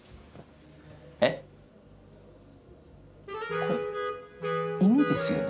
これ犬ですよね？